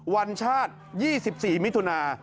วันชาติ๒๔มิถุนา